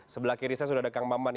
sebelah kiri saya sudah ada kang maman